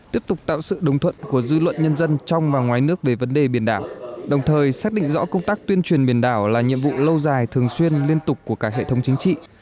tiếp tục tạo sự đồng thuận của dư luận nhân dân trong và ngoài nước về vấn đề biển đảo đồng thời xác định rõ công tác tuyên truyền biển đảo là nhiệm vụ lâu dài thường xuyên liên tục của cả hệ thống chính trị